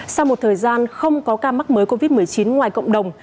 sau một thời gian không có ca mắc mới covid một mươi chín ngoài cộng đồng